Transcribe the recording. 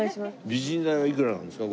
美人代はいくらなんですか？